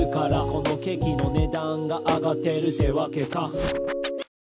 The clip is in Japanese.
「このケーキの値段があがってるってわけか」